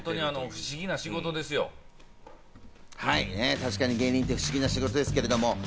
確かに芸人って不思議な仕事ですけれども。